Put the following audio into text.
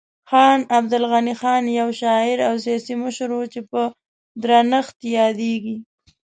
خان عبدالغني خان یو شاعر او سیاسي مشر و چې په درنښت یادیږي.